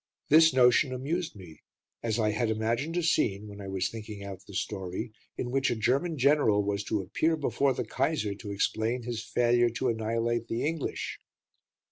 This notion amused me, as I had imagined a scene, when I was thinking out the story, in which a German general was to appear before the Kaiser to explain his failure to annihilate the English.